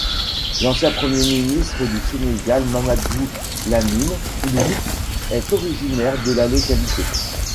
L'ancien premier ministre du Sénégal Mamadou Lamine Loum est originaire de la localité.